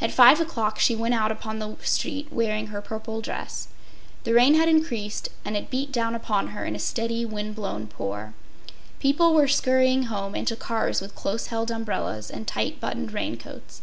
At five o’clock she went out upon the street wearing her purple dress. The rain had increased, and it beat down upon her in a steady, wind blown pour. People were scurrying home and to cars with close held umbrellas and tight buttoned raincoats.